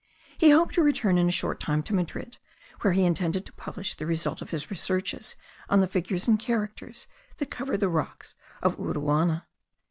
He hoped to return in a short time to Madrid, where he intended to publish the result of his researches on the figures and characters that cover the rocks of Uruana.